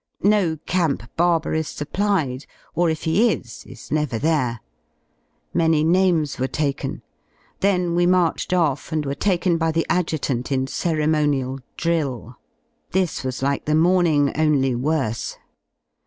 No camp barber is supplied, or if he is, is never there. Many names were taken. Then we marched off and were taken by the Adjutant in ceremonial drill. This was like the morning, only worse.